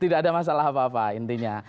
tidak ada masalah apa apa intinya